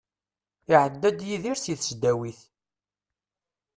Iεedda-d Yidir si tesdawit.